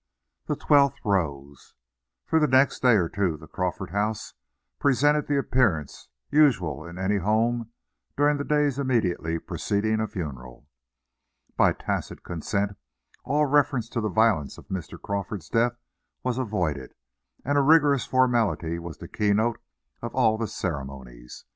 THE TWELFTH ROSE For the next day or two the Crawford house presented the appearance usual in any home during the days immediately preceding a funeral. By tacit consent, all reference to the violence of Mr. Crawford's death was avoided, and a rigorous formality was the keynote of all the ceremonies.